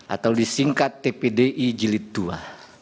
atau disingkat tpdi jilid ii